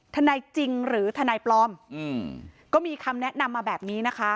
จริงหรือทนายปลอมก็มีคำแนะนำมาแบบนี้นะคะ